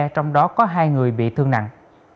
trong đó có hai người bị thương nặng